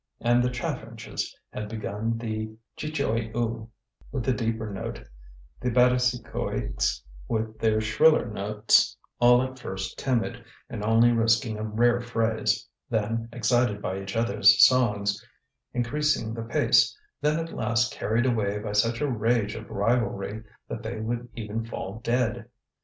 And the chaffinches had begun, the chichouïeux with the deeper note, the batisecouics with their shriller note, all at first timid, and only risking a rare phrase, then, excited by each other's songs, increasing the pace; then at last carried away by such a rage of rivalry that they would even fall dead.